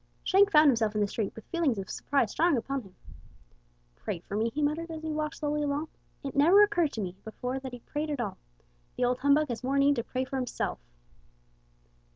Shank found himself in the street with feelings of surprise strong upon him. "Pray for me!" he muttered, as he walked slowly along. "It never occurred to me before that he prayed at all! The old humbug has more need to pray for himself!"